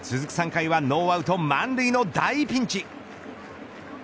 ３回はノーアウト満塁の大ピンチ。